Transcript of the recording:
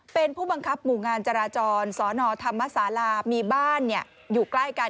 เป็นผู้บังคับหมู่งานจราจรสนธรรมศาลามีบ้านอยู่ใกล้กัน